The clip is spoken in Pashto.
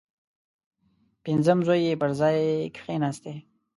پنځم زوی یې پر ځای کښېنستی.